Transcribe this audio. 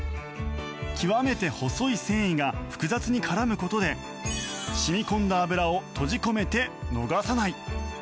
極めて細い繊維が複雑に絡むことで染み込んだ油を閉じ込めて逃さない。